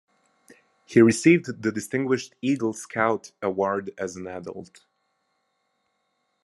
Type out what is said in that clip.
He received the Distinguished Eagle Scout Award as an adult.